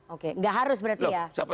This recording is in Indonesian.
oke nggak harus berarti ya